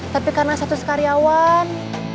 tapi karena status karyawan